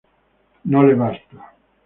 No le basta.